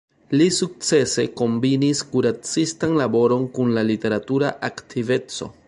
Li sukcese kombinis kuracistan laboron kun literatura aktiveco.